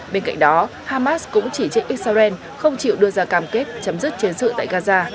bên cạnh đó hamas cũng chỉ trích israel không chịu đưa ra cam kết chấm dứt chiến sự tại gaza